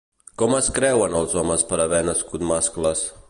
Com es creuen els homes per haver nascut mascles?